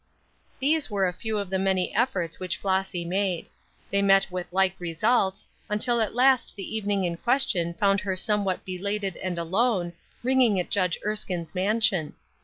These were a few of the many efforts which Flossy made. They met with like results, until at last the evening in question found her somewhat belated and alone, ringing at Judge Erskine's mansion.